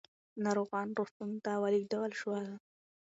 ناروغان روغتون ته ولېږدول شول.